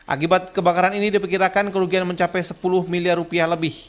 akibat kebakaran ini diperkirakan kerugian mencapai sepuluh miliar rupiah lebih